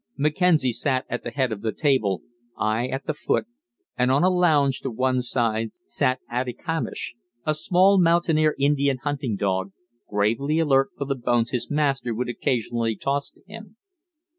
Mackenzie sat at the head of the table, I at the foot, and on a lounge to one side sat Atikamish, a small Mountaineer Indian hunting dog, gravely alert for the bones his master would occasionally toss to him.